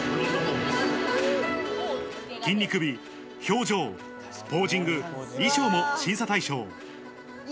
筋肉美、表情、ポージング、衣装も審査対象。